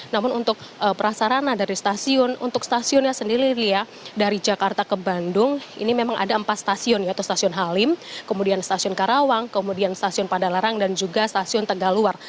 namun untuk prasarana dari stasiun untuk stasiunnya sendiri lia dari jakarta ke bandung ini memang ada empat stasiun yaitu stasiun halim kemudian stasiun karawang kemudian stasiun padalarang dan juga stasiun tegaluar